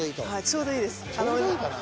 ちょうどいいかな？